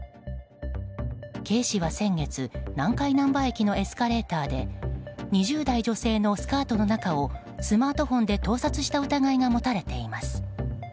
警視は先月南海なんば駅のエスカレーターで２０代女性のスカートの中をスマートフォンで盗撮した疑いが持たれています。